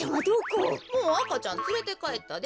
もうあかちゃんつれてかえったで。